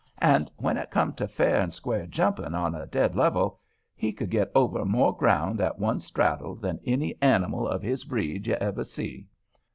And when it come to fair and square jumping on a dead level, he could get over more ground at one straddle than any animal of his breed you ever see.